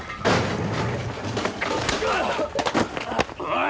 おい！